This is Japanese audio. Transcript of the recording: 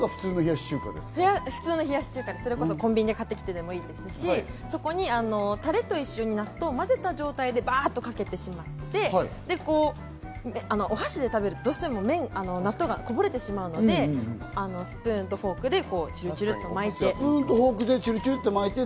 それこそコンビニで買ってきてもいいですし、タレと納豆を一緒に混ぜた状態でバっとかけてしまって、お箸で食べると、どうしても納豆がこぼれてしまうのでスプーンとフォークでちゅるちゅるっと巻いて。